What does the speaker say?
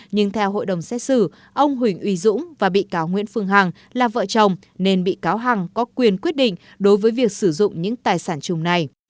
nhưng theo hội đồng xét xử ông huỳnh uy dũng và bị cáo nguyễn phương hằng là vợ chồng nên bị cáo hằng có quyền quyết định đối với việc sử dụng những tài sản chung này